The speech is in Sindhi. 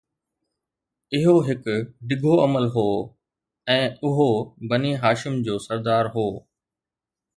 اهو هڪ ڊگهو عمل هو ۽ اهو بنو هاشم جو سردار هو